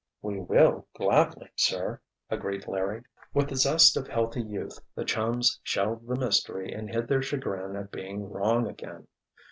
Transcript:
"We will, gladly, sir," agreed Larry. With the zest of healthy youth the chums "shelved" the mystery and hid their chagrin at being wrong again.